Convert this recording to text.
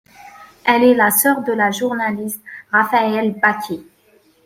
Elle est la sœur de la journaliste Raphaëlle Bacqué.